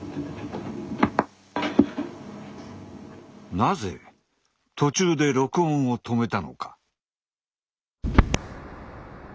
なぜ途中で録音を止めたのか。